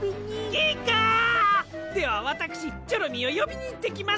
ギガ！ではわたくしチョロミーをよびにいってきます！